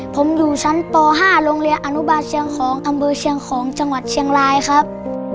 ผมอยู่ชั้นป๕โรงเรียนอนุบาลเชียงของอำเภอเชียงของจังหวัดเชียงรายครับ